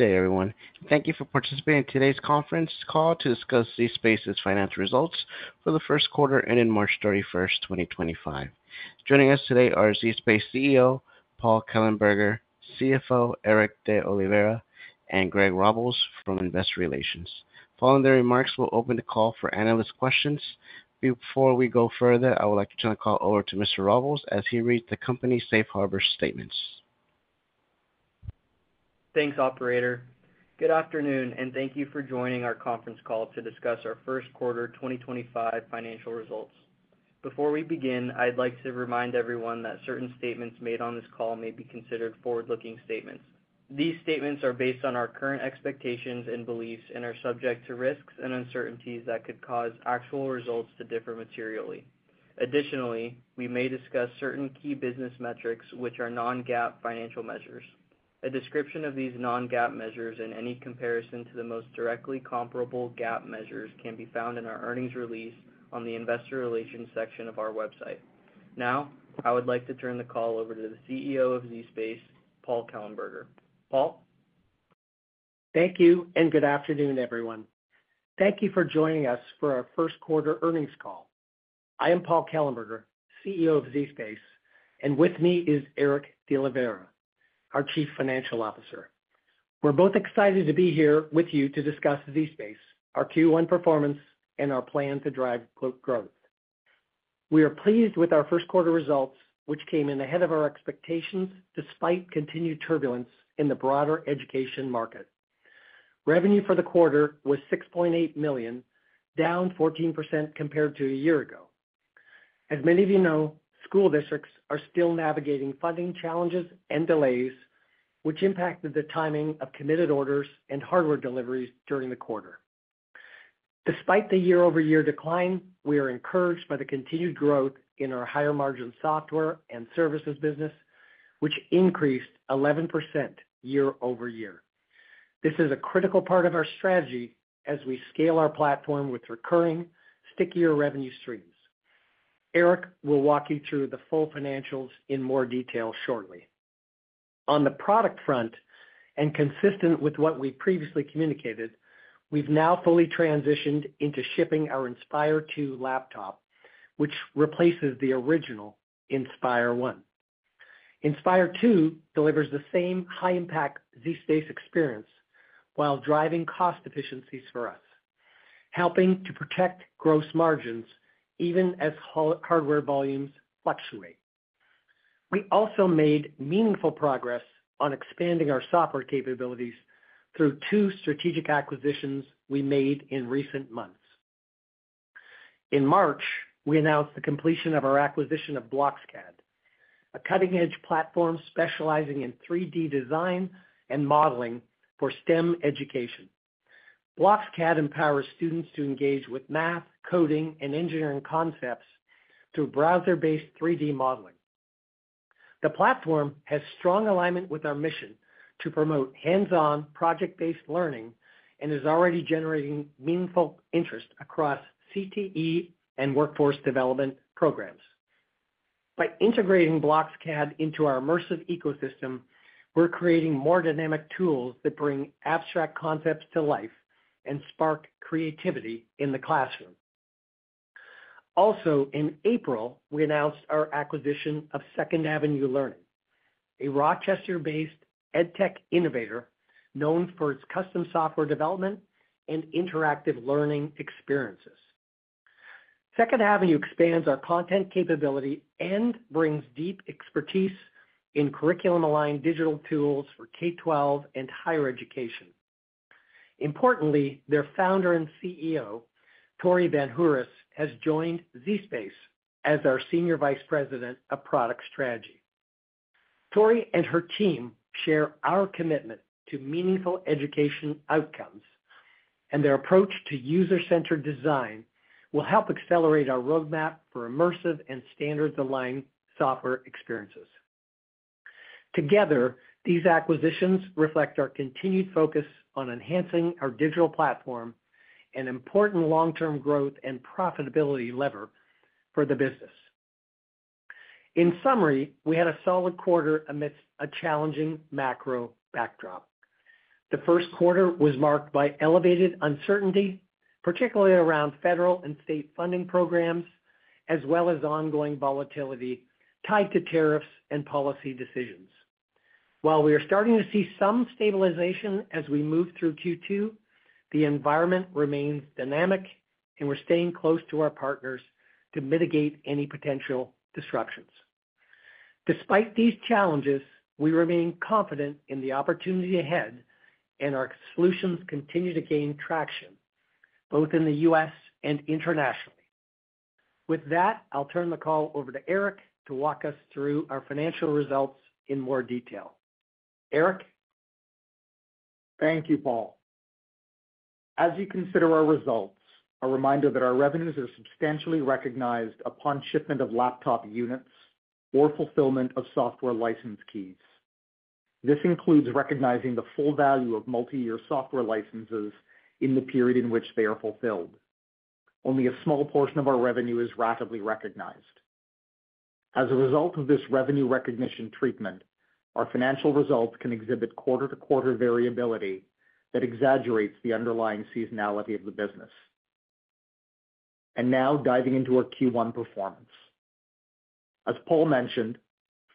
Good day, everyone. Thank you for participating in today's conference call to discuss zSpace's financial results for the first quarter and in March 31, 2025. Joining us today are zSpace CEO Paul Kellenberger, CFO Erick DeOliveira, and Greg Robles from Investor Relations. Following their remarks, we'll open the call for analyst questions. Before we go further, I would like to turn the call over to Mr. Robles as he reads the company's safe harbor statements. Thanks, Operator. Good afternoon, and thank you for joining our conference call to discuss our first quarter 2025 financial results. Before we begin, I'd like to remind everyone that certain statements made on this call may be considered forward-looking statements. These statements are based on our current expectations and beliefs and are subject to risks and uncertainties that could cause actual results to differ materially. Additionally, we may discuss certain key business metrics, which are non-GAAP financial measures. A description of these non-GAAP measures and any comparison to the most directly comparable GAAP measures can be found in our earnings release on the Investor Relations section of our website. Now, I would like to turn the call over to the CEO of zSpace, Paul Kellenberger. Paul? Thank you, and good afternoon, everyone. Thank you for joining us for our first quarter earnings call. I am Paul Kellenberger, CEO of zSpace, and with me is Erick DeOliveira, our Chief Financial Officer. We're both excited to be here with you to discuss zSpace, our Q1 performance, and our plan to drive growth. We are pleased with our first quarter results, which came in ahead of our expectations despite continued turbulence in the broader education market. Revenue for the quarter was $6.8 million, down 14% compared to a year ago. As many of you know, school districts are still navigating funding challenges and delays, which impacted the timing of committed orders and hardware deliveries during the quarter. Despite the year-over-year decline, we are encouraged by the continued growth in our higher margin software and services business, which increased 11% year-over-year. This is a critical part of our strategy as we scale our platform with recurring, stickier revenue streams. Erick will walk you through the full financials in more detail shortly. On the product front, and consistent with what we previously communicated, we've now fully transitioned into shipping our Inspire 2 laptop, which replaces the original Inspire 1. Inspire 2 delivers the same high-impact zSpace experience while driving cost efficiencies for us, helping to protect gross margins even as hardware volumes fluctuate. We also made meaningful progress on expanding our software capabilities through two strategic acquisitions we made in recent months. In March, we announced the completion of our acquisition of BlockSCAD, a cutting-edge platform specializing in 3D design and modeling for STEM education. BlockSCAD empowers students to engage with math, coding, and engineering concepts through browser-based 3D modeling. The platform has strong alignment with our mission to promote hands-on, project-based learning and is already generating meaningful interest across CTE and workforce development programs. By integrating BlockSCAD into our immersive ecosystem, we're creating more dynamic tools that bring abstract concepts to life and spark creativity in the classroom. Also, in April, we announced our acquisition of Second Avenue Learning, a Rochester-based edtech innovator known for its custom software development and interactive learning experiences. Second Avenue expands our content capability and brings deep expertise in curriculum-aligned digital tools for K-12 and higher education. Importantly, their founder and CEO, Tori VanHeuris, has joined zSpace as our Senior Vice President of Product Strategy. Tori and her team share our commitment to meaningful education outcomes, and their approach to user-centered design will help accelerate our roadmap for immersive and standards-aligned software experiences. Together, these acquisitions reflect our continued focus on enhancing our digital platform, an important long-term growth and profitability lever for the business. In summary, we had a solid quarter amidst a challenging macro backdrop. The first quarter was marked by elevated uncertainty, particularly around federal and state funding programs, as well as ongoing volatility tied to tariffs and policy decisions. While we are starting to see some stabilization as we move through Q2, the environment remains dynamic, and we're staying close to our partners to mitigate any potential disruptions. Despite these challenges, we remain confident in the opportunity ahead, and our solutions continue to gain traction both in the U.S. and internationally. With that, I'll turn the call over to Erick to walk us through our financial results in more detail. Erick? Thank you, Paul. As you consider our results, a reminder that our revenues are substantially recognized upon shipment of laptop units or fulfillment of software license keys. This includes recognizing the full value of multi-year software licenses in the period in which they are fulfilled. Only a small portion of our revenue is rapidly recognized. As a result of this revenue recognition treatment, our financial results can exhibit quarter-to-quarter variability that exaggerates the underlying seasonality of the business. Now, diving into our Q1 performance. As Paul mentioned,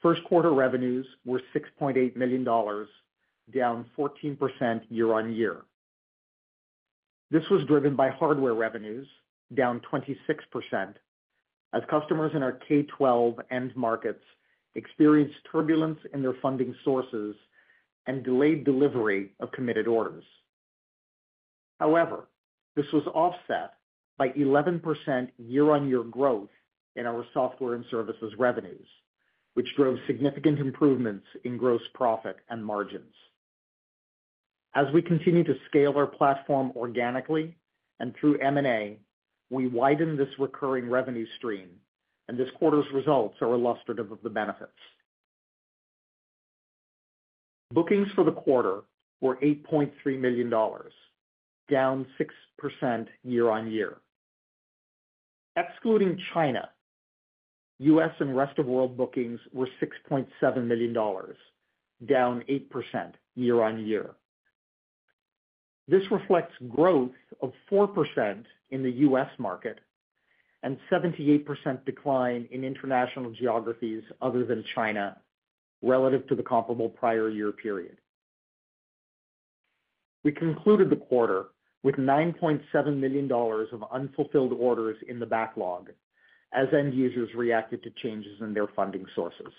first quarter revenues were $6.8 million, down 14% year-on-year. This was driven by hardware revenues, down 26%, as customers in our K-12 end markets experienced turbulence in their funding sources and delayed delivery of committed orders. However, this was offset by 11% year-on-year growth in our software and services revenues, which drove significant improvements in gross profit and margins. As we continue to scale our platform organically and through M&A, we widen this recurring revenue stream, and this quarter's results are illustrative of the benefits. Bookings for the quarter were $8.3 million, down 6% year-on-year. Excluding China, U.S. and rest of world bookings were $6.7 million, down 8% year-on-year. This reflects growth of 4% in the U.S. market and 78% decline in international geographies other than China relative to the comparable prior year period. We concluded the quarter with $9.7 million of unfulfilled orders in the backlog as end users reacted to changes in their funding sources.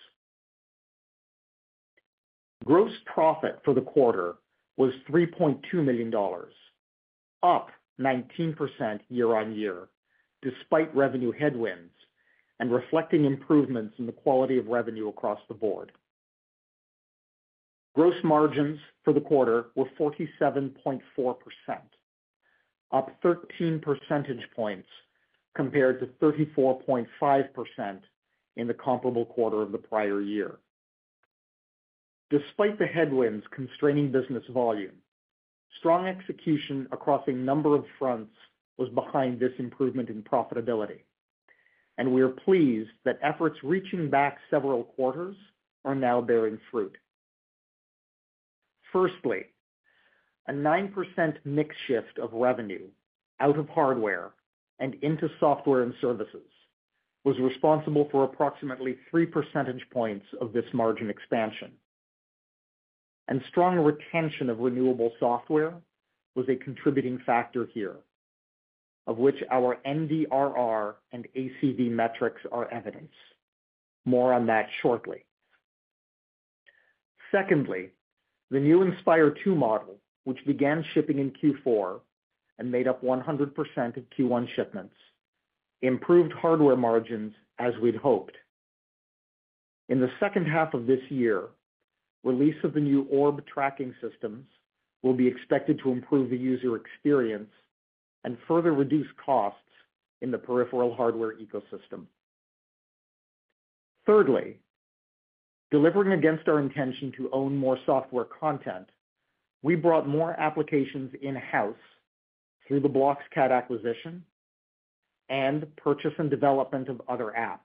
Gross profit for the quarter was $3.2 million, up 19% year-on-year despite revenue headwinds and reflecting improvements in the quality of revenue across the board. Gross margins for the quarter were 47.4%, up 13 percentage points compared to 34.5% in the comparable quarter of the prior year. Despite the headwinds constraining business volume, strong execution across a number of fronts was behind this improvement in profitability, and we are pleased that efforts reaching back several quarters are now bearing fruit. Firstly, a 9% mix shift of revenue out of hardware and into software and services was responsible for approximately 3 percentage points of this margin expansion. Strong retention of renewable software was a contributing factor here, of which our NDRR and ACV metrics are evidence. More on that shortly. Secondly, the new Inspire 2 model, which began shipping in Q4 and made up 100% of Q1 shipments, improved hardware margins as we'd hoped. In the second half of this year, release of the new Orb tracking systems will be expected to improve the user experience and further reduce costs in the peripheral hardware ecosystem. Thirdly, delivering against our intention to own more software content, we brought more applications in-house through the BlockSCAD acquisition and purchase and development of other apps.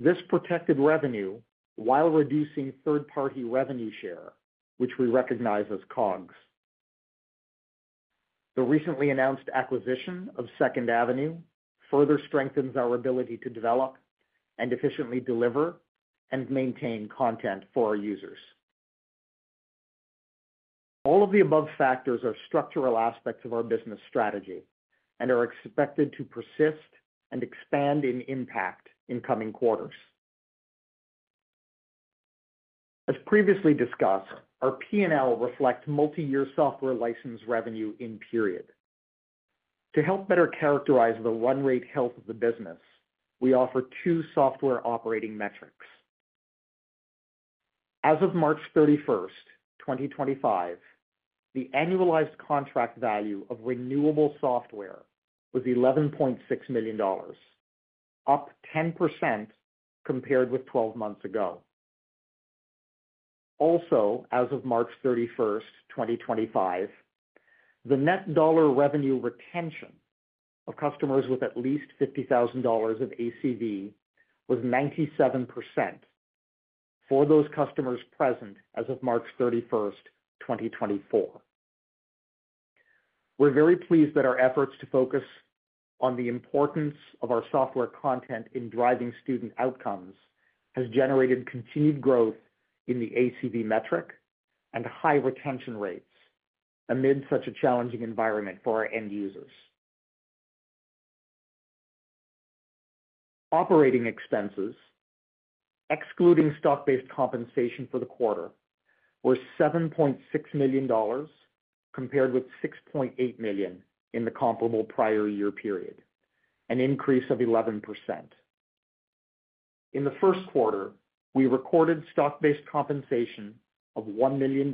This protected revenue while reducing third-party revenue share, which we recognize as COGS. The recently announced acquisition of Second Avenue further strengthens our ability to develop and efficiently deliver and maintain content for our users. All of the above factors are structural aspects of our business strategy and are expected to persist and expand in impact in coming quarters. As previously discussed, our P&L reflects multi-year software license revenue in period. To help better characterize the run rate health of the business, we offer two software operating metrics. As of March 31, 2025, the annualized contract value of renewable software was $11.6 million, up 10% compared with 12 months ago. Also, as of March 31, 2025, the net dollar revenue retention of customers with at least $50,000 of ACV was 97% for those customers present as of March 31, 2024. We're very pleased that our efforts to focus on the importance of our software content in driving student outcomes have generated continued growth in the ACV metric and high retention rates amid such a challenging environment for our end users. Operating expenses, excluding stock-based compensation for the quarter, were $7.6 million compared with $6.8 million in the comparable prior year period, an increase of 11%. In the first quarter, we recorded stock-based compensation of $1 million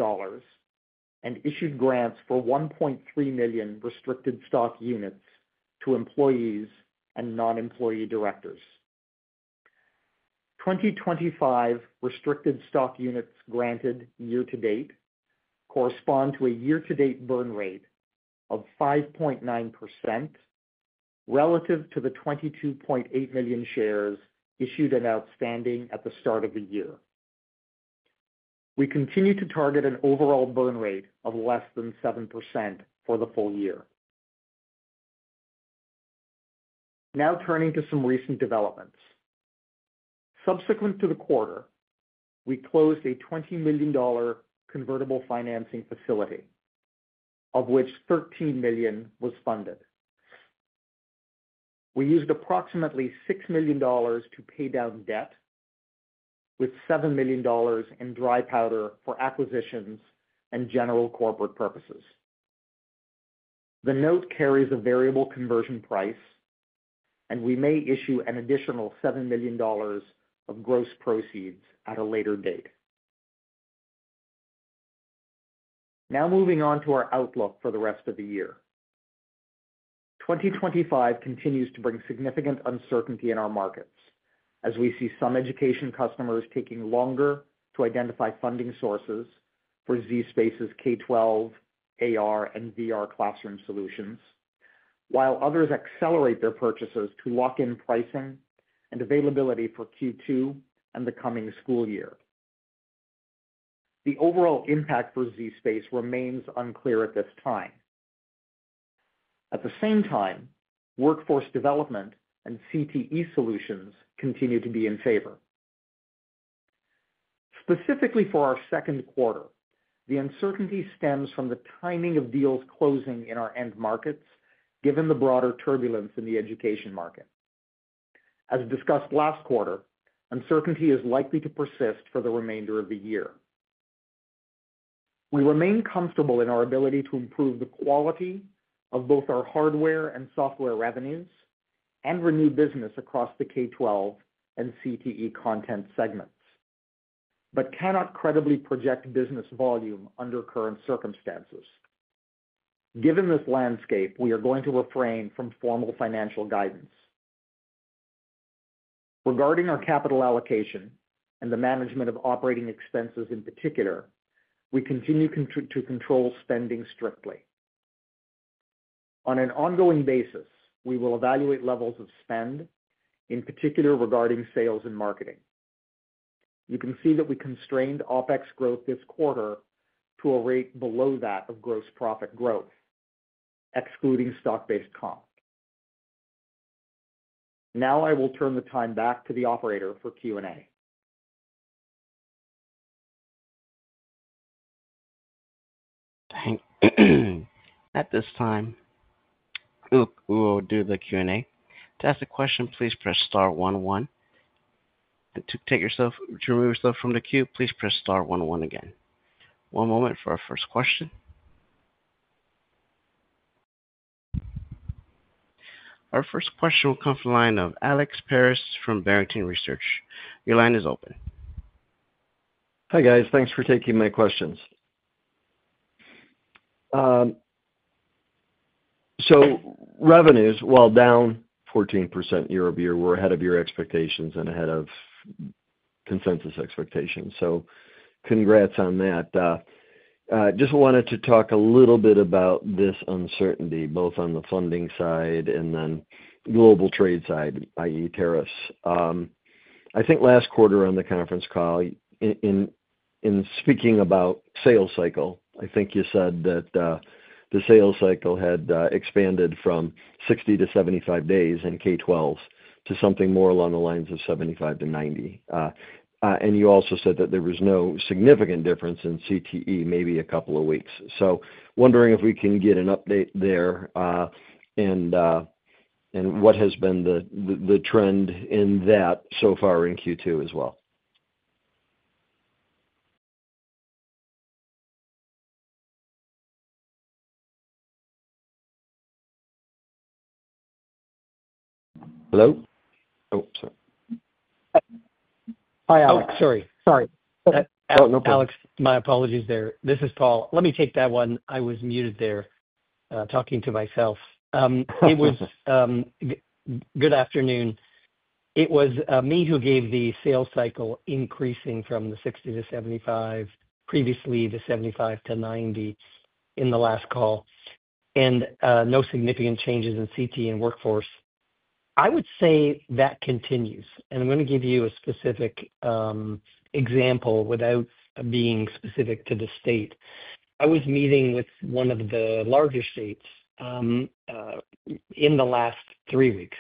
and issued grants for 1.3 million restricted stock units to employees and non-employee directors. 2025 restricted stock units granted year-to-date correspond to a year-to-date burn rate of 5.9% relative to the 22.8 million shares issued and outstanding at the start of the year. We continue to target an overall burn rate of less than 7% for the full year. Now turning to some recent developments. Subsequent to the quarter, we closed a $20 million convertible financing facility, of which $13 million was funded. We used approximately $6 million to pay down debt, with $7 million in dry powder for acquisitions and general corporate purposes. The note carries a variable conversion price, and we may issue an additional $7 million of gross proceeds at a later date. Now moving on to our outlook for the rest of the year. 2025 continues to bring significant uncertainty in our markets as we see some education customers taking longer to identify funding sources for zSpace's K-12, AR, and VR classroom solutions, while others accelerate their purchases to lock in pricing and availability for Q2 and the coming school year. The overall impact for zSpace remains unclear at this time. At the same time, workforce development and CTE solutions continue to be in favor. Specifically for our second quarter, the uncertainty stems from the timing of deals closing in our end markets given the broader turbulence in the education market. As discussed last quarter, uncertainty is likely to persist for the remainder of the year. We remain comfortable in our ability to improve the quality of both our hardware and software revenues and renew business across the K-12 and CTE content segments, but cannot credibly project business volume under current circumstances. Given this landscape, we are going to refrain from formal financial guidance. Regarding our capital allocation and the management of operating expenses in particular, we continue to control spending strictly. On an ongoing basis, we will evaluate levels of spend, in particular regarding sales and marketing. You can see that we constrained OpEx growth this quarter to a rate below that of gross profit growth, excluding stock-based comp. Now I will turn the time back to the operator for Q&A. Thank you. At this time, we will do the Q&A. To ask a question, please press star one one. To remove yourself from the queue, please press star one one again. One moment for our first question. Our first question will come from the line of Alex Paris from Barrington Research. Your line is open. Hi guys. Thanks for taking my questions. Revenues, while down 14% year-over-year, were ahead of your expectations and ahead of consensus expectations. Congrats on that. I just wanted to talk a little bit about this uncertainty, both on the funding side and then global trade side, i.e., tariffs. I think last quarter on the conference call, in speaking about sales cycle, I think you said that the sales cycle had expanded from 60-75 days in K-12s to something more along the lines of 75-90. You also said that there was no significant difference in CTE, maybe a couple of weeks. Wondering if we can get an update there and what has been the trend in that so far in Q2 as well. Hello? Oh, sorry. Hi, Alex. Sorry. Oh, no problem. Alex, my apologies there. This is Paul. Let me take that one. I was muted there, talking to myself. No worries. Good afternoon. It was me who gave the sales cycle increasing from 60 to 75, previously the 75-90 in the last call, and no significant changes in CTE and workforce. I would say that continues. I'm going to give you a specific example without being specific to the state. I was meeting with one of the larger states in the last three weeks.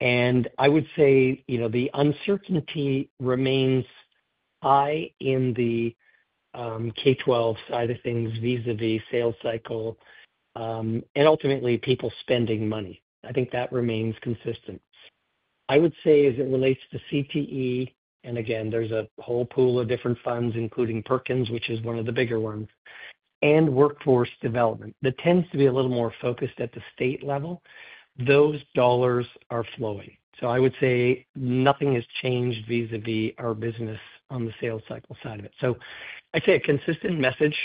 I would say the uncertainty remains high in the K-12 side of things vis-à-vis sales cycle and ultimately people spending money. I think that remains consistent. I would say as it relates to CTE, and again, there's a whole pool of different funds, including Perkins, which is one of the bigger ones, and workforce development that tends to be a little more focused at the state level, those dollars are flowing. I would say nothing has changed vis-à-vis our business on the sales cycle side of it. I would say a consistent message.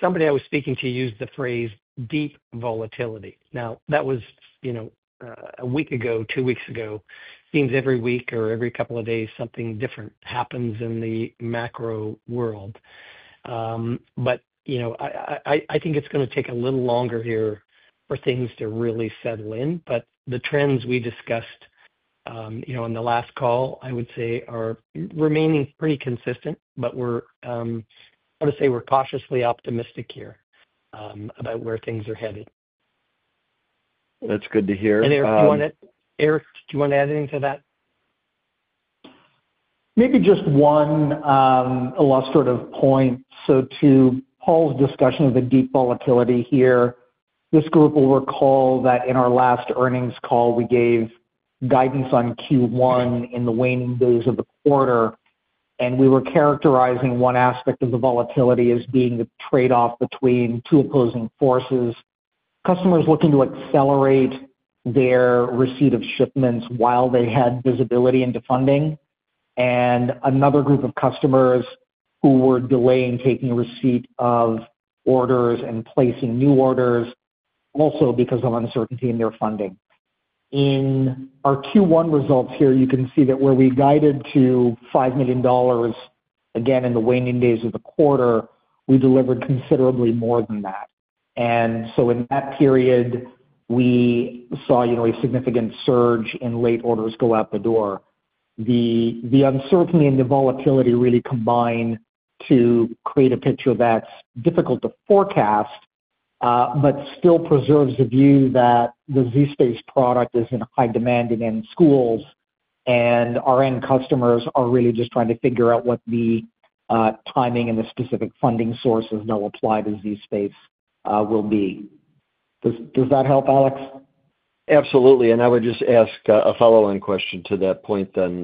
Somebody I was speaking to used the phrase deep volatility. That was a week ago, two weeks ago. Seems every week or every couple of days something different happens in the macro world. I think it's going to take a little longer here for things to really settle in. The trends we discussed on the last call, I would say, are remaining pretty consistent. I would say we're cautiously optimistic here about where things are headed. That's good to hear. Erick, do you want to add anything to that? Maybe just one last sort of point. To Paul's discussion of the deep volatility here, this group will recall that in our last earnings call, we gave guidance on Q1 in the waning days of the quarter. We were characterizing one aspect of the volatility as being the trade-off between two opposing forces. Customers looking to accelerate their receipt of shipments while they had visibility into funding, and another group of customers who were delaying taking receipt of orders and placing new orders also because of uncertainty in their funding. In our Q1 results here, you can see that where we guided to $5 million, again, in the waning days of the quarter, we delivered considerably more than that. In that period, we saw a significant surge in late orders go out the door. The uncertainty and the volatility really combine to create a picture that's difficult to forecast, but still preserves the view that the zSpace product is in high demand in end schools, and our end customers are really just trying to figure out what the timing and the specific funding sources that will apply to zSpace will be. Does that help, Alex? Absolutely. I would just ask a follow-on question to that point then.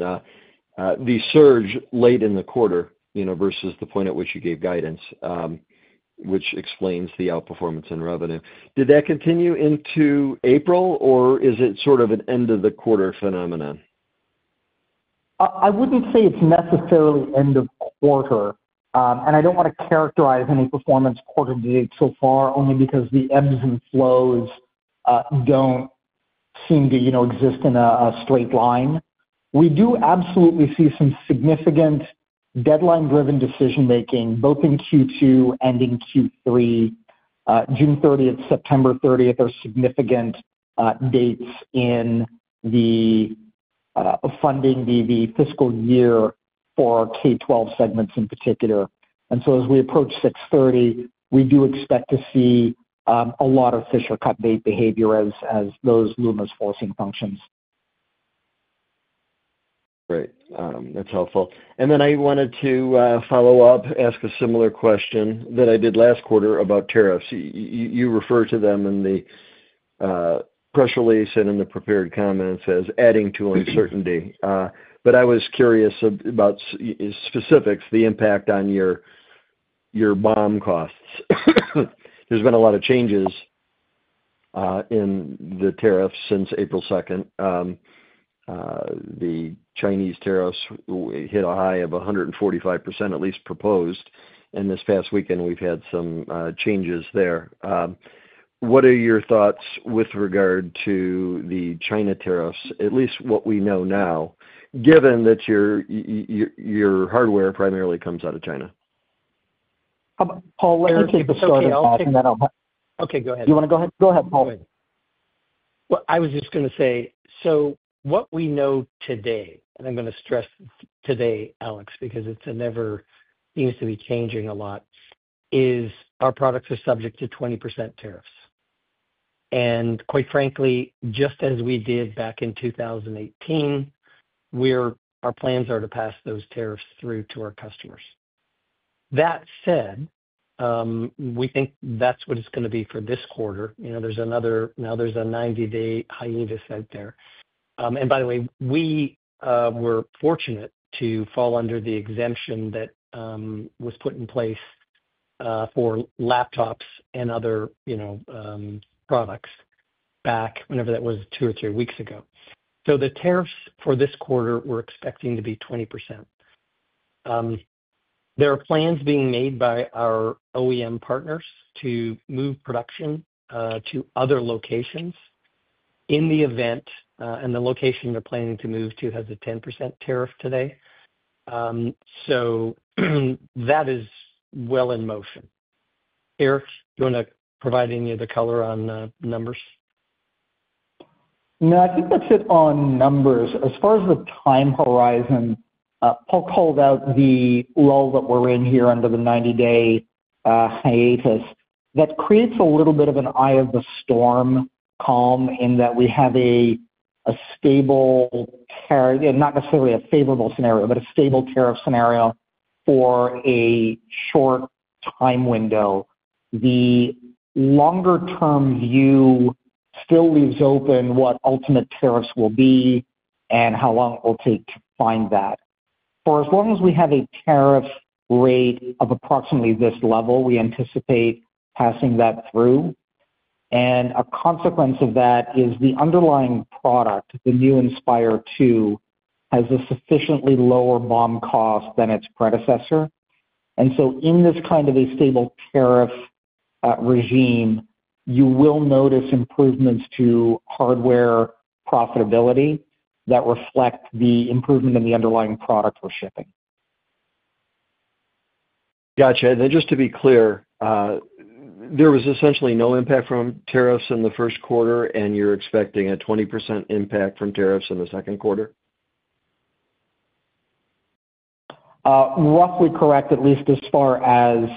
The surge late in the quarter versus the point at which you gave guidance, which explains the outperformance in revenue. Did that continue into April, or is it sort of an end-of-the-quarter phenomenon? I wouldn't say it's necessarily end-of-quarter. I don't want to characterize any performance quarter to date so far only because the ebbs and flows don't seem to exist in a straight line. We do absolutely see some significant deadline-driven decision-making both in Q2 and in Q3. June 30, September 30 are significant dates in the funding, the fiscal year for K-12 segments in particular. As we approach 6/30, we do expect to see a lot of fisher-cut bait behavior as those LUMAS forcing functions. Great. That's helpful. I wanted to follow up, ask a similar question that I did last quarter about tariffs. You refer to them in the press release and in the prepared comments as adding to uncertainty. I was curious about specifics, the impact on your BOM costs. There's been a lot of changes in the tariffs since April 2nd. The Chinese tariffs hit a high of 145%, at least proposed. This past weekend, we've had some changes there. What are your thoughts with regard to the China tariffs, at least what we know now, given that your hardware primarily comes out of China? Paul, let me take a short answer. Okay. Go ahead. You want to go ahead? Go ahead, Paul. I was just going to say, so what we know today, and I'm going to stress today, Alex, because it never seems to be changing a lot, is our products are subject to 20% tariffs. Quite frankly, just as we did back in 2018, our plans are to pass those tariffs through to our customers. That said, we think that's what it's going to be for this quarter. Now there's a 90-day hiatus out there. By the way, we were fortunate to fall under the exemption that was put in place for laptops and other products back whenever that was two or three weeks ago. The tariffs for this quarter we're expecting to be 20%. There are plans being made by our OEM partners to move production to other locations in the event, and the location they're planning to move to has a 10% tariff today. That is well in motion. Erick, do you want to provide any other color on numbers? No, I think that's it on numbers. As far as the time horizon, Paul called out the lull that we're in here under the 90-day hiatus. That creates a little bit of an eye of the storm calm in that we have a stable tariff, not necessarily a favorable scenario, but a stable tariff scenario for a short time window. The longer-term view still leaves open what ultimate tariffs will be and how long it will take to find that. For as long as we have a tariff rate of approximately this level, we anticipate passing that through. A consequence of that is the underlying product, the new Inspire 2, has a sufficiently lower BOM cost than its predecessor. In this kind of a stable tariff regime, you will notice improvements to hardware profitability that reflect the improvement in the underlying product we're shipping. Gotcha. And then just to be clear, there was essentially no impact from tariffs in the first quarter, and you're expecting a 20% impact from tariffs in the second quarter? Roughly correct, at least as far as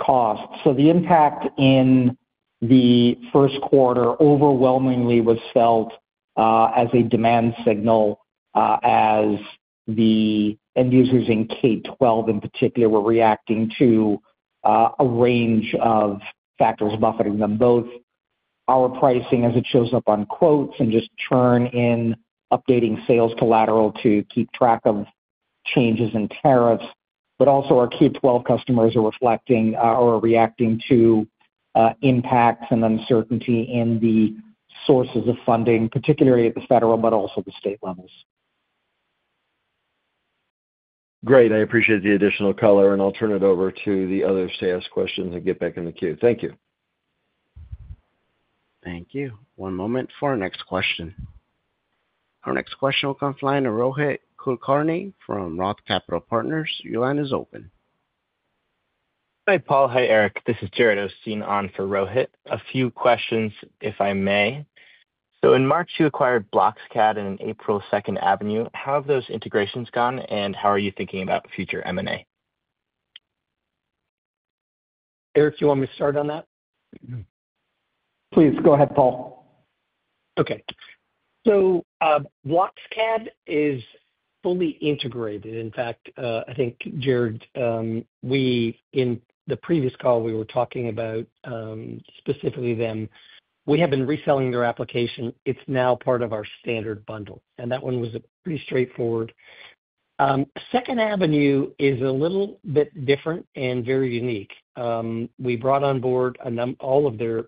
cost. The impact in the first quarter overwhelmingly was felt as a demand signal as the end users in K-12 in particular were reacting to a range of factors buffering them, both our pricing as it shows up on quotes and just churn in updating sales collateral to keep track of changes in tariffs. Also, our K-12 customers are reflecting or are reacting to impacts and uncertainty in the sources of funding, particularly at the federal but also the state levels. Great. I appreciate the additional color, and I'll turn it over to the others to ask questions and get back in the queue. Thank you. Thank you. One moment for our next question. Our next question will come from Jared Osteen from Roth Capital Partners. Your line is open. Hi Paul. Hi Erick. This is Jared Osteen on for Rohit. A few questions, if I may. In March, you acquired BlockSCAD and in April, Second Avenue. How have those integrations gone, and how are you thinking about future M&A? Erick, do you want me to start on that? Please go ahead, Paul. Okay. BlockSCAD is fully integrated. In fact, I think Jared, in the previous call, we were talking about specifically them. We have been reselling their application. It is now part of our standard bundle. That one was pretty straightforward. Second Avenue is a little bit different and very unique. We brought on board all of their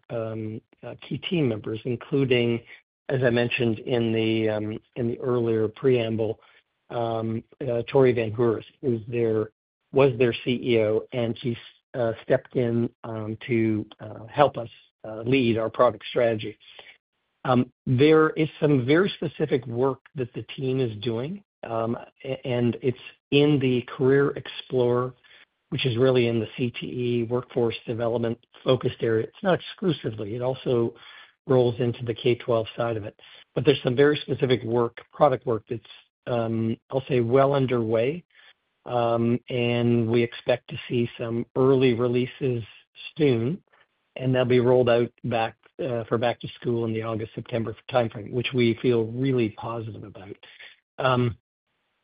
key team members, including, as I mentioned in the earlier preamble, Tori VanHeuris, who was their CEO, and she stepped in to help us lead our product strategy. There is some very specific work that the team is doing, and it is in the Career Explorer, which is really in the CTE workforce development focused area. It is not exclusively. It also rolls into the K-12 side of it. There is some very specific product work that is, I'll say, well underway, and we expect to see some early releases soon, and they'll be rolled out for back-to-school in the August, September timeframe, which we feel really positive about.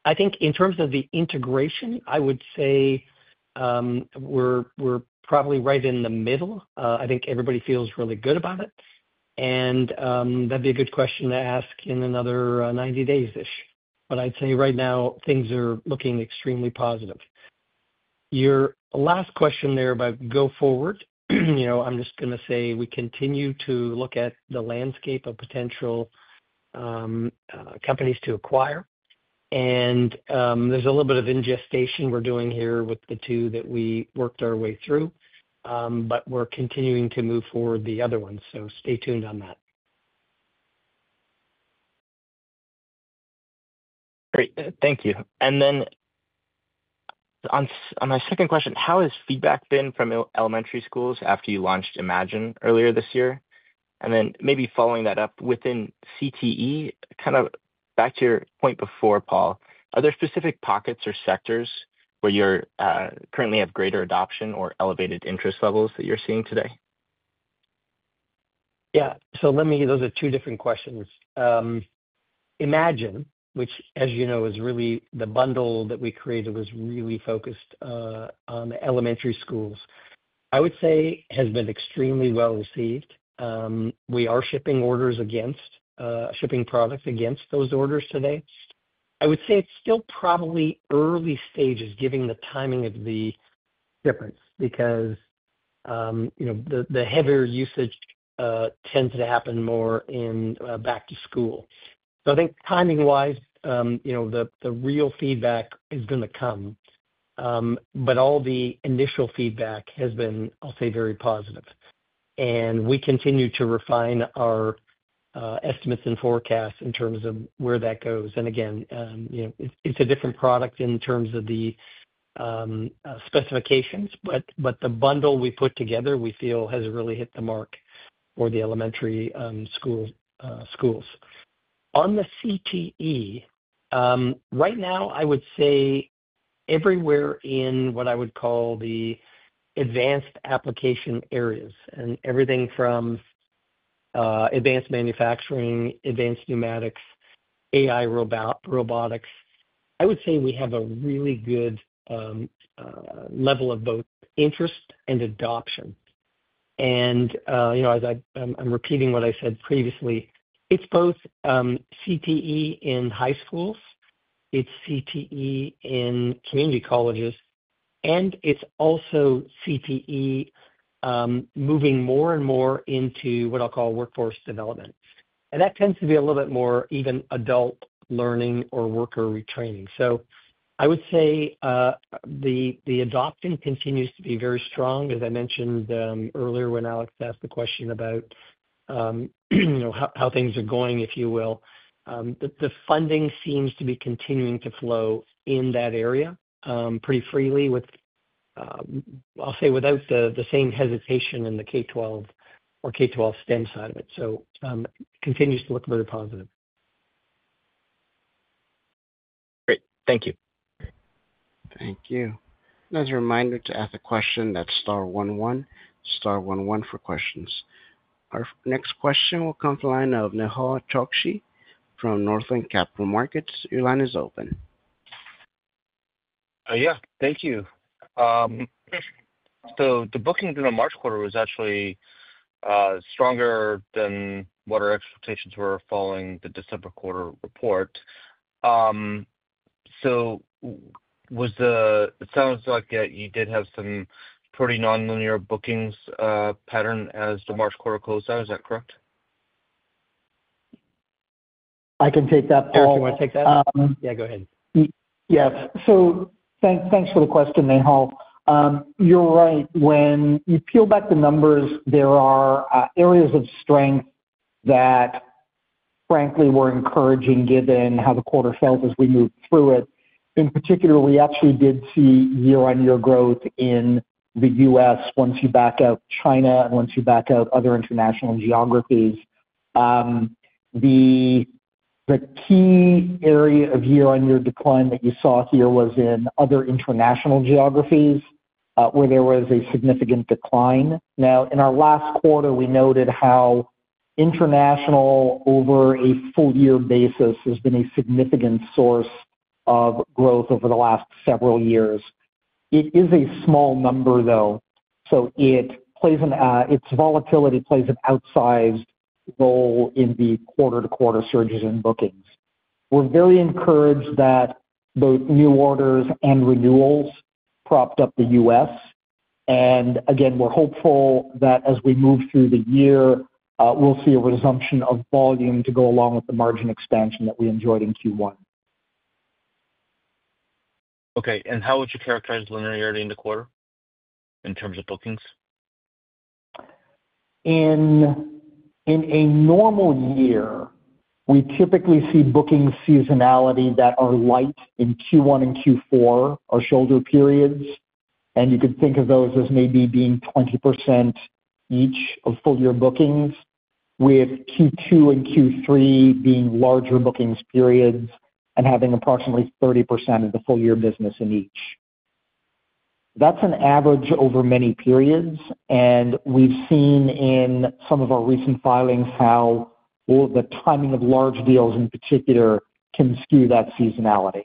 I think in terms of the integration, I would say we're probably right in the middle. I think everybody feels really good about it. That would be a good question to ask in another 90 days-ish. I'd say right now, things are looking extremely positive. Your last question there about go forward, I'm just going to say we continue to look at the landscape of potential companies to acquire. There is a little bit of ingestion we're doing here with the two that we worked our way through, but we're continuing to move forward the other one. Stay tuned on that. Great. Thank you. On my second question, how has feedback been from elementary schools after you launched Imagine earlier this year? Maybe following that up within CTE, kind of back to your point before, Paul, are there specific pockets or sectors where you currently have greater adoption or elevated interest levels that you're seeing today? Yeah. So those are two different questions. Imagine, which, as you know, is really the bundle that we created, was really focused on the elementary schools. I would say has been extremely well received. We are shipping orders against, shipping products against those orders today. I would say it's still probably early stages given the timing of the shipments because the heavier usage tends to happen more in back-to-school. I think timing-wise, the real feedback is going to come. All the initial feedback has been, I'll say, very positive. We continue to refine our estimates and forecasts in terms of where that goes. Again, it's a different product in terms of the specifications, but the bundle we put together, we feel, has really hit the mark for the elementary schools. On the CTE, right now, I would say everywhere in what I would call the advanced application areas, and everything from advanced manufacturing, advanced pneumatics, AI robotics, I would say we have a really good level of both interest and adoption. As I'm repeating what I said previously, it's both CTE in high schools, it's CTE in community colleges, and it's also CTE moving more and more into what I'll call workforce development. That tends to be a little bit more even adult learning or worker retraining. I would say the adoption continues to be very strong. As I mentioned earlier when Alex asked the question about how things are going, if you will, the funding seems to be continuing to flow in that area pretty freely, I'll say, without the same hesitation in the K-12 or K-12 STEM side of it. It continues to look very positive. Great. Thank you. Thank you. As a reminder to ask the question, that's star 11, star 11 for questions. Our next question will come from Nehal Chokchi from Northland Capital Markets. Your line is open. Yeah. Thank you. The bookings in the March quarter were actually stronger than what our expectations were following the December quarter report. It sounds like you did have some pretty non-linear bookings pattern as the March quarter closed out. Is that correct? I can take that, Paul. Yeah. Go ahead. Yeah. Thanks for the question, Nehal. You're right. When you peel back the numbers, there are areas of strength that, frankly, were encouraging given how the quarter felt as we moved through it. In particular, we actually did see year-on-year growth in the U.S. once you back out China and once you back out other international geographies. The key area of year-on-year decline that you saw here was in other international geographies where there was a significant decline. Now, in our last quarter, we noted how international over a full-year basis has been a significant source of growth over the last several years. It is a small number, though. Its volatility plays an outsized role in the quarter-to-quarter surges in bookings. We're very encouraged that both new orders and renewals propped up the U.S. We're hopeful that as we move through the year, we'll see a resumption of volume to go along with the margin expansion that we enjoyed in Q1. Okay. How would you characterize the linearity in the quarter in terms of bookings? In a normal year, we typically see booking seasonality that are light in Q1 and Q4, our shoulder periods. You could think of those as maybe being 20% each of full-year bookings, with Q2 and Q3 being larger bookings periods and having approximately 30% of the full-year business in each. That is an average over many periods. We have seen in some of our recent filings how the timing of large deals in particular can skew that seasonality.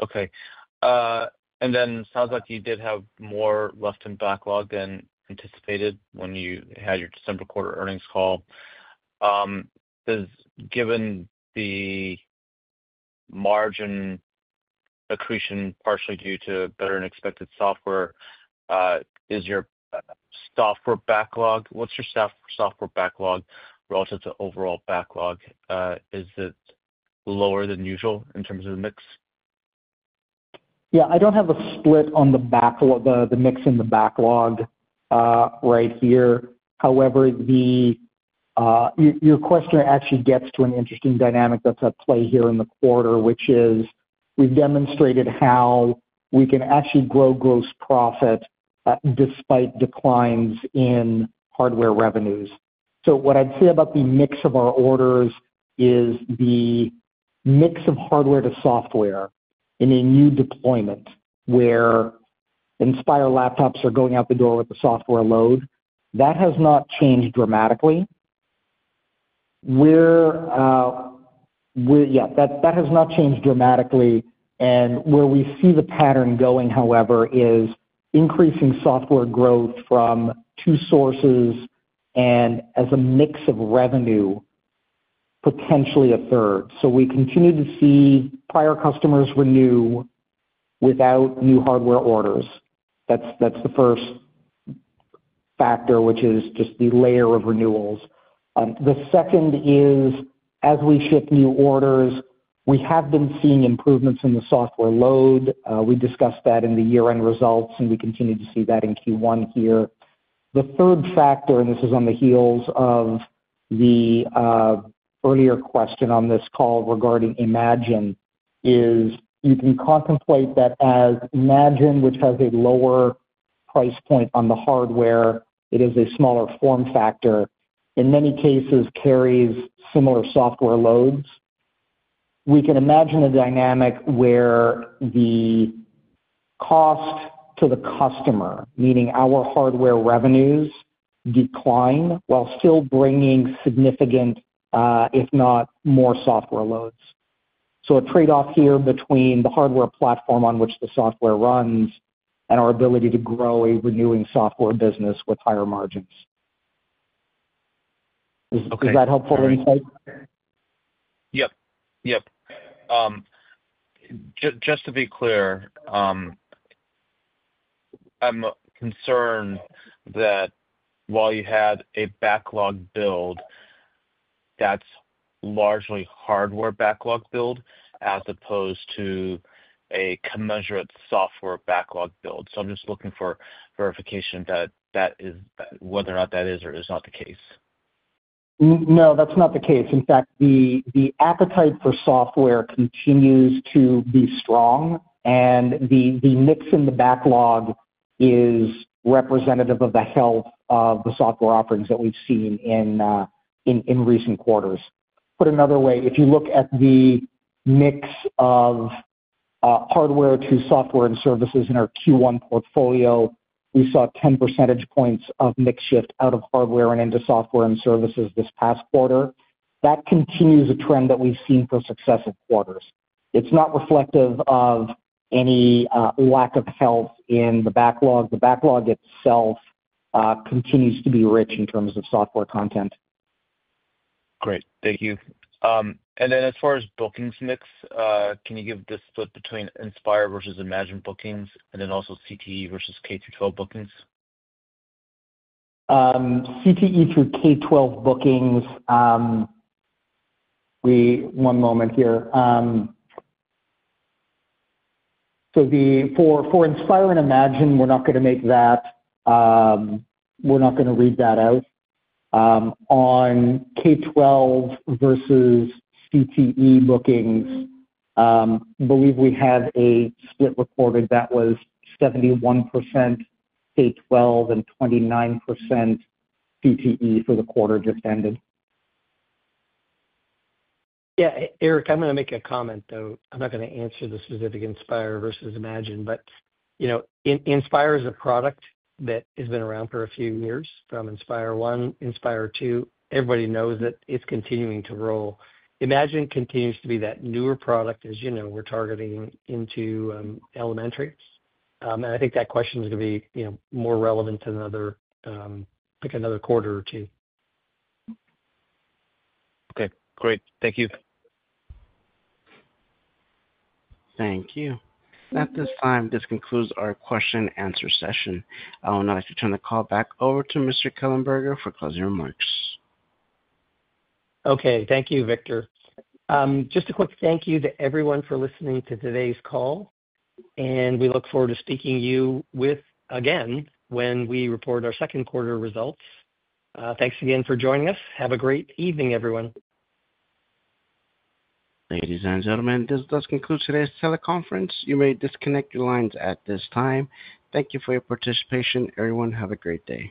Okay. It sounds like you did have more left in backlog than anticipated when you had your December quarter earnings call. Given the margin accretion partially due to better-than-expected software, is your software backlog—what's your software backlog relative to overall backlog? Is it lower than usual in terms of the mix? Yeah. I don't have a split on the mix in the backlog right here. However, your question actually gets to an interesting dynamic that's at play here in the quarter, which is we've demonstrated how we can actually grow gross profit despite declines in hardware revenues. What I'd say about the mix of our orders is the mix of hardware to software in a new deployment where Inspire laptops are going out the door with the software load. That has not changed dramatically. Yeah. That has not changed dramatically. Where we see the pattern going, however, is increasing software growth from two sources and as a mix of revenue, potentially a third. We continue to see prior customers renew without new hardware orders. That's the first factor, which is just the layer of renewals. The second is, as we ship new orders, we have been seeing improvements in the software load. We discussed that in the year-end results, and we continue to see that in Q1 here. The third factor, and this is on the heels of the earlier question on this call regarding Imagine, is you can contemplate that as Imagine, which has a lower price point on the hardware, it is a smaller form factor, in many cases carries similar software loads. We can imagine a dynamic where the cost to the customer, meaning our hardware revenues, decline while still bringing significant, if not more, software loads. So a trade-off here between the hardware platform on which the software runs and our ability to grow a renewing software business with higher margins. Is that helpful insight? Yep. Yep. Just to be clear, I'm concerned that while you had a backlog build, that's largely hardware backlog build as opposed to a commensurate software backlog build. I'm just looking for verification of whether or not that is or is not the case. No. That's not the case. In fact, the appetite for software continues to be strong, and the mix in the backlog is representative of the health of the software offerings that we've seen in recent quarters. Put another way, if you look at the mix of hardware to software and services in our Q1 portfolio, we saw 10 percentage points of mix shift out of hardware and into software and services this past quarter. That continues a trend that we've seen for successive quarters. It's not reflective of any lack of health in the backlog. The backlog itself continues to be rich in terms of software content. Great. Thank you. As far as bookings mix, can you give the split between Inspire versus Imagine bookings and then also CTE versus K-12 bookings? CTE through K-12 bookings, one moment here. For Inspire and Imagine, we're not going to make that, we're not going to read that out. On K-12 versus CTE bookings, I believe we have a split recorded that was 71% K-12 and 29% CTE for the quarter just ended. Yeah. Erick, I'm going to make a comment, though. I'm not going to answer the specific Inspire versus Imagine. But Inspire is a product that has been around for a few years from Inspire 1, Inspire 2. Everybody knows that it's continuing to roll. Imagine continues to be that newer product, as you know, we're targeting into elementary. I think that question is going to be more relevant in another quarter or two. Okay. Great. Thank you. Thank you. At this time, this concludes our question-and-answer session. I would now like to turn the call back over to Mr. Kellenberger for closing remarks. Okay. Thank you, Victor. Just a quick thank you to everyone for listening to today's call. We look forward to speaking to you again when we report our second quarter results. Thanks again for joining us. Have a great evening, everyone. Ladies and gentlemen, this does conclude today's teleconference. You may disconnect your lines at this time. Thank you for your participation, everyone. Have a great day.